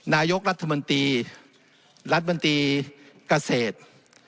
นายกรัฐมนตรีรัฐมนตรีเกษตร